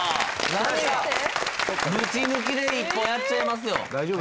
ぶち抜きで１本やっちゃいますよ